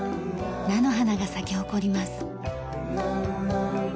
菜の花が咲き誇ります。